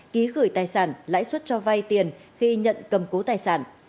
ký gửi tài sản lãi suất cho vay tiền khi nhận cầm cố tài sản